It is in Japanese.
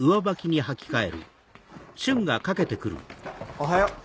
おはよう。